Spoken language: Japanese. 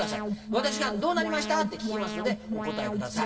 私が「どうなりました？」って聞きますのでお答えください。